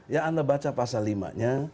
ya anda baca pasal lima nya